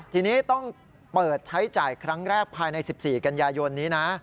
ทีนี้ต้องเปิดใช้จ่ายครั้งแรกภายใน๑๔กันยายนนี้นะ